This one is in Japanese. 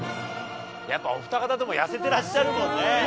やっぱお二方とも痩せてらっしゃるもんね。